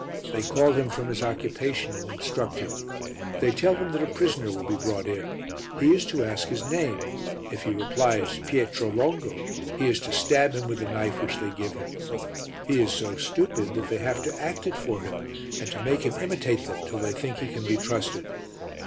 They call him from his occupation and instruct him. They tell him that a prisoner will be brought in, he is to ask his name, if he replies "Pietro Longo," he is to stab him with the knife which they give him. He is so stupid that they have to act it for him, and to make him imitate them till they think he can be trusted.